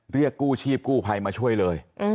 เรียกกู้ชีพกู้ภัยมาช่วยเลย